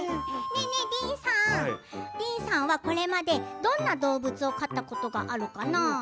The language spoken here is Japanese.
ディーンさんはこれまでどんな動物を飼ったことがあるかな？